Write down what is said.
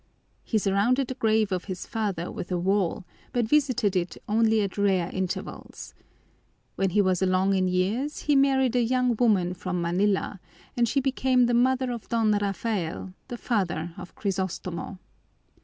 He surrounded the grave of his father with a wall, but visited it only at rare intervals. When he was along in years, he married a young woman from Manila, and she became the mother of Don Rafael, the father of Crisostomo.